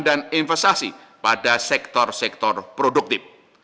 dan investasi pada sektor sektor produktif